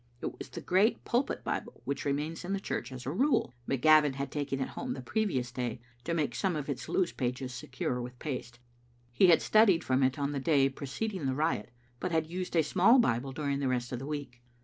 It was the great pulpit Bible which remains in the church as a rule, but Gavin had taken it home the previous day to make some of its loose pages secure with paste. He had studied from it on the day preceding the riot, but had used a small Bible during the rest of the week.